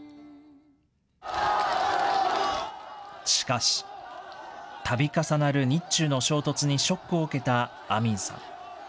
しかし、たび重なる日中の衝突にショックを受けたアミンさん。